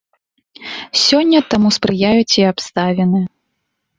Сёння таму спрыяюць і абставіны.